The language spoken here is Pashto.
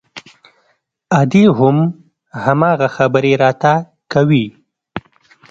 ادې هم هماغه خبرې راته کوي.